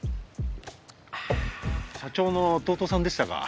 社長の弟さんでしたか。